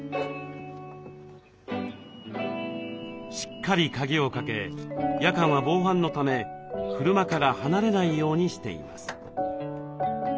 しっかり鍵をかけ夜間は防犯のため車から離れないようにしています。